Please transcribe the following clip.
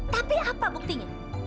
tapi apa buktinya